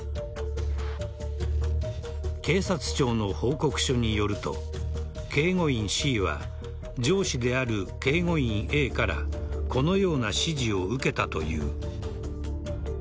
警察庁の報告書によると警護員Ｃは上司である警護員Ａからこのような指示を受けたという。